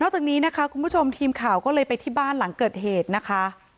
จากนี้นะคะคุณผู้ชมทีมข่าวก็เลยไปที่บ้านหลังเกิดเหตุนะคะ